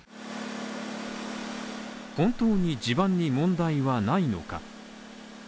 本当に地盤に問題はないのか。